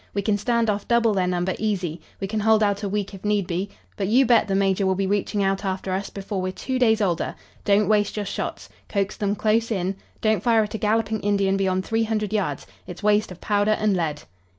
"We can stand off double their number easy. We can hold out a week if need be, but you bet the major will be reaching out after us before we're two days older. Don't waste your shots. Coax them close in. Don't fire at a galloping Indian beyond three hundred yards. It's waste of powder and lead."